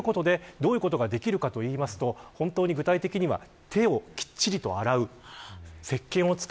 どういうことができるかというと具体的には手をきっちりと洗う。